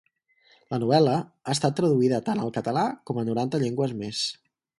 La novel·la ha estat traduïda tant al català com a noranta llengües més.